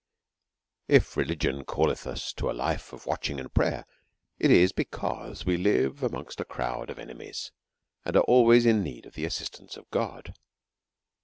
If reh'gion calleth us to a life of watching and pray er^ it is because we hve amongst a crowd of enemies^ and are always in need of the assistance of God.